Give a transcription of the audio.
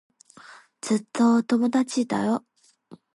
ずっと友達だよ。